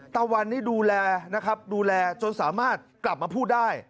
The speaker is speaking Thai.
ตะวันนี่ดูแลนะครับดูแลจนสามารถกลับมาพูดได้